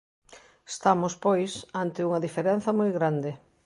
Estamos, pois, ante unha diferenza moi grande.